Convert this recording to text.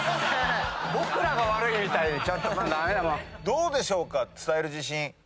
どうでしょうか？